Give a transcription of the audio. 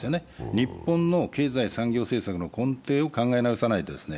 日本の経済産業政策の根底を考え直さないとですね。